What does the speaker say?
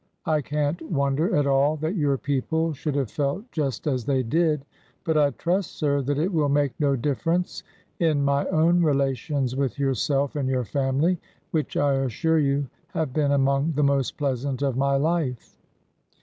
I can't wonder at all that your people should have felt just as they did. ... But I trust, sir, that it will make no difference in my own relations with yourself and your family,— which, I assure you, have been among the most pleasant of my life."